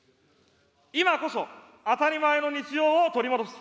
今こそ当たり前の日常を取り戻す。